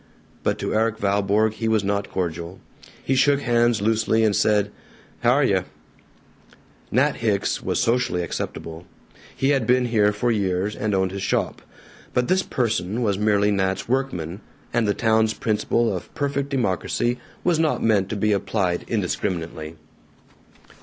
But to Erik Valborg he was not cordial. He shook hands loosely, and said, "H' are yuh." Nat Hicks was socially acceptable; he had been here for years, and owned his shop; but this person was merely Nat's workman, and the town's principle of perfect democracy was not meant to be applied indiscriminately.